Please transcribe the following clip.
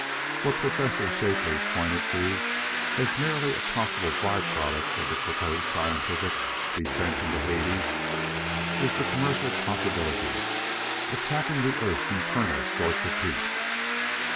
What Prof. Shapley pointed to as merely a possible by product of the proposed scientific "descent into Hades" is the commercial possibility of tapping the earth's internal source of heat.